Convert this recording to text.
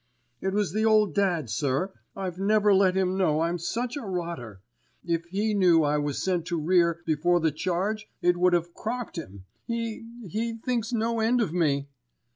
"It was the old dad, sir. I've never let him know I'm such a rotter. If he knew I was sent to rear before the charge it would have crocked him. He—he—thinks no end of me."